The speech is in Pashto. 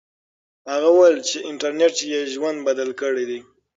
هغه وویل چې انټرنیټ یې ژوند بدل کړی دی.